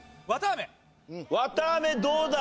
わたあめどうだ？